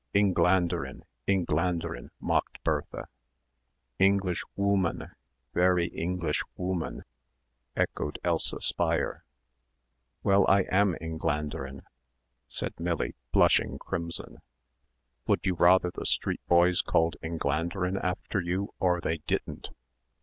"Engländerin, Engländerin," mocked Bertha. "Englishwooman, very Englishwooman," echoed Elsa Speier. "Well, I am Engländerin," said Millie, blushing crimson. "Would you rather the street boys called Engländerin after you or they didn't?"